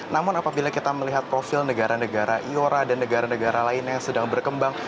namun apabila kita melihat profil negara negara iora dan negara negara lain yang sedang berkembang